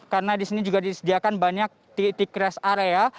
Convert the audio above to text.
karena disini juga disediakan banyak titik rest area